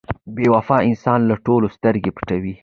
• بې وفا انسان له ټولو سترګې پټوي.